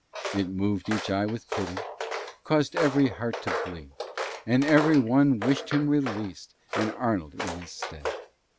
It mov'd each eye with pity, Caus'd every heart to bleed, And every one wished him releas'd And Arnold in his stead.